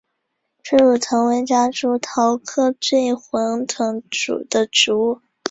催乳藤为夹竹桃科醉魂藤属的植物。